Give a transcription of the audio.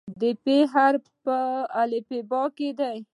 د "ف" حرف په الفبا کې دی.